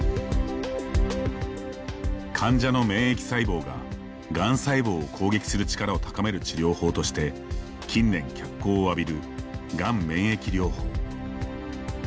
患者の免疫細胞が、がん細胞を攻撃する力を高める治療法として近年、脚光を浴びるがん免疫療法。